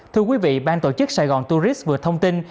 thưa quý vị ban tổ chức sài gòn tourist vừa thông tin